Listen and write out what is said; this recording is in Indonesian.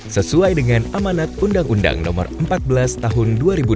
sesuai dengan amanat undang undang no empat belas tahun dua ribu dua puluh